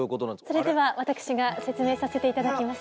それでは私が説明させて頂きます。